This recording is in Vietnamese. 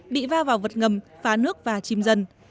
bị va vào vật ngầm phá nước và chìm dần